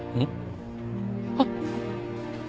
あっ。